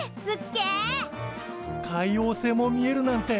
海王星も見えるなんて。